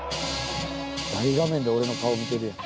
大画面で俺の顔見てるやん。